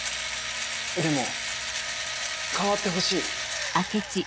でも変わってほしい。